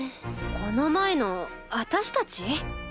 この前の私たち？